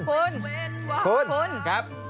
คุณคุณครับ